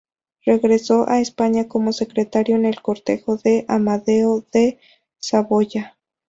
Regresó a España como secretario en el cortejo de Amadeo de Saboya.